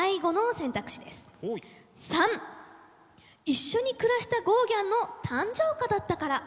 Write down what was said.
一緒に暮らしたゴーギャンの誕生花だったから。